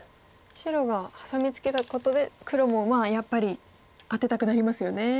白がハサミツケたことで黒もやっぱりアテたくなりますよね。